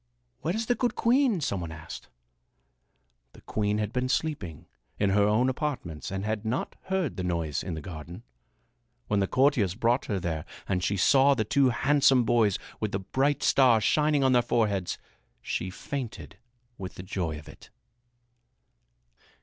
"Where is the good queen?" some one asked. The queen had been sleeping in her own apartments and had not heard the noise in the garden. When the courtiers brought her there and she saw the two handsome boys with the bright stars shining on their foreheads, she fainted with the joy of it.